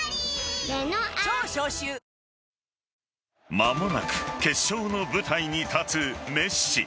間もなく決勝の舞台に立つメッシ。